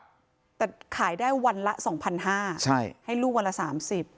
แต่ขายได้วันละสองพันห้าใช่ให้ลูกวันละสามสิบ